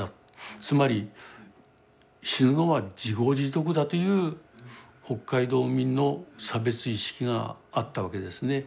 つまり死ぬのは自業自得だという北海道民の差別意識があったわけですね。